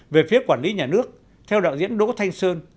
về phía quản lý nhà nước theo đạo diễn đỗ thanh sơn